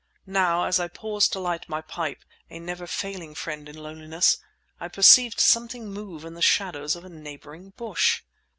Now, as I paused to light my pipe—a never failing friend in loneliness—I perceived something move in the shadows of a neighbouring bush.